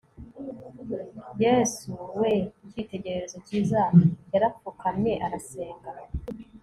yesu we cyitegerezo cyiza, yarapfukamye arasenga